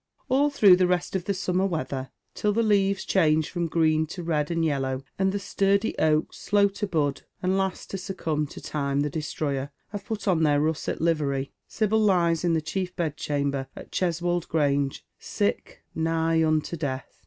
All through the rest of the summer weather, till the leaves ahange from green to red and yellow, and the sturdy oaks, slow to bud and last to succumb to Time the destroyer, have put on their russet livery, Sibyl lies in the chief bedchamber at Cheswold Grange sick nigh unto death.